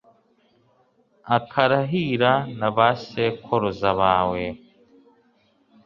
akarahira na ba sekuruza bawe